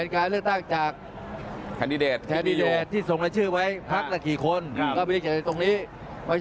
ก็ไปโหวตเลือกนายกใหม่